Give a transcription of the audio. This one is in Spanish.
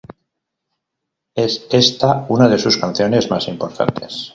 Es esta una de sus canciones más importantes.